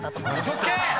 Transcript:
嘘つけ！